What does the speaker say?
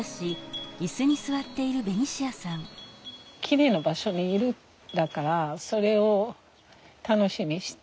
きれいな場所にいるだからそれを楽しみにして。